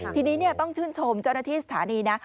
ทีนี้ต้องชื่นชมเจ้าหน้าที่สถานีนะ